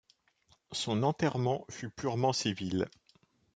Son enterrement fut purement civil.